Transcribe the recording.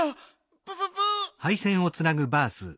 プププ？